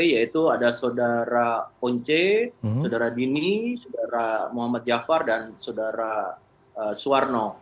yaitu ada saudara ponce saudara dini saudara muhammad jafar dan saudara suwarno